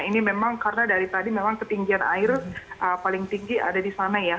ini memang karena dari tadi memang ketinggian air paling tinggi ada di sana ya